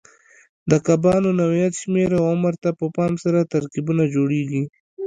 د کبانو نوعیت، شمېر او عمر ته په پام سره ترکیبونه جوړېږي.